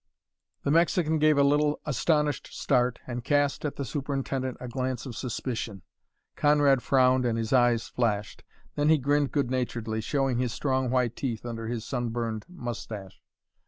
The Mexican gave a little astonished start and cast at the superintendent a glance of suspicion. Conrad frowned and his eyes flashed. Then he grinned good naturedly, showing his strong white teeth under his sunburned moustache.